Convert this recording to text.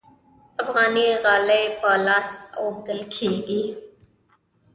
افغاني غالۍ په لاس اوبدل کیږي